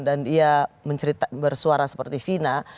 dan dia bersuara seperti vina